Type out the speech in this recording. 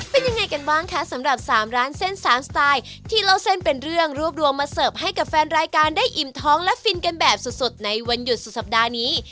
เป็นยังไงกันบ้างคะสำหรับ๓ร้านเส้นสามสไตล์ที่เล่าเส้นเป็นเรื่องรวบรวมมาเสิร์ฟให้กับแฟนรายการได้อิ่มท้องและฟินกันแบบสุดในวันหยุดสุดสัปดาห์นี้